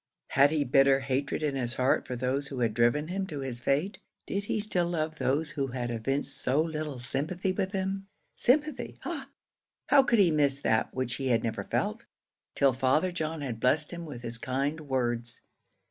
Had he bitter hatred in his heart for those who had driven him to his fate? Did he still love those who had evinced so little sympathy with him? Sympathy! Ah! how could he miss that which he had never felt, till Father John had blessed him with his kind words!